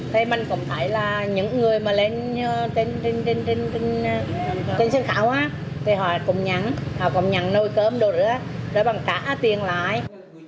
thì mình cũng thấy là những người mà lên trên sân khảo thì họ cũng nhắn họ cũng nhắn nồi cơm đồ nữa rồi bằng trả tiền lại